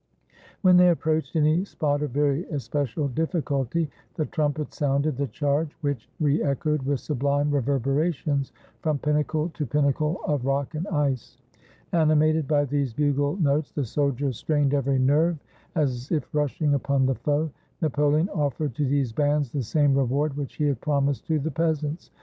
When they approached any spot of very especial difi&culty, the trumpets sounded the charge, which re echoed, with sublime reverberations, from pinnacle to pinnacle of rock and ice. Animated by these bugle notes, the soldiers strained every nerve as if rushing upon the foe. Napoleon offered to these bands the same reward which he had promised to the peasants.